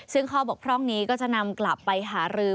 ซึ่งข้อบกพร่องนี้ก็จะนำกลับไปหารือ